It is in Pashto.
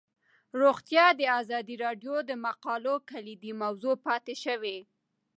روغتیا د ازادي راډیو د مقالو کلیدي موضوع پاتې شوی.